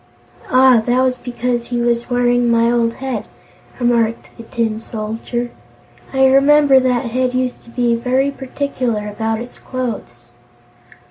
"Ah, that was because he was wearing my old head," remarked the Tin Soldier. "I remember that head used to be very particular about its clothes."